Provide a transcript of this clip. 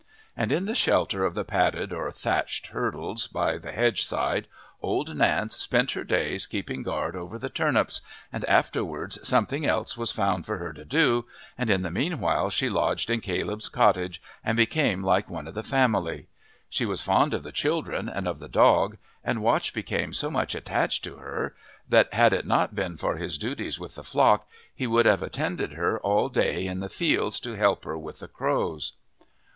And in the shelter of the padded or thatched hurdles, by the hedge side, old Nance spent her days keeping guard over the turnips, and afterwards something else was found for her to do, and in the meanwhile she lodged in Caleb's cottage and became like one of the family. She was fond of the children and of the dog, and Watch became so much attached to her that had it not been for his duties with the flock he would have attended her all day in the fields to help her with the crows.